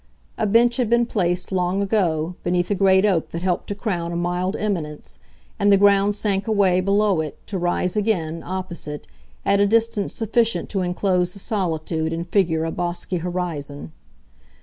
A bench had been placed, long ago, beneath a great oak that helped to crown a mild eminence, and the ground sank away below it, to rise again, opposite, at a distance sufficient to enclose the solitude and figure a bosky horizon.